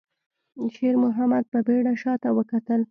شېرمحمد په بيړه شاته وکتل.